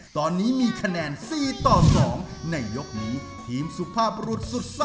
ตอนนี้มีคะแนน๔ต่อ๒